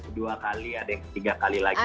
ada yang kedua kali ada yang ketiga kali lagi ya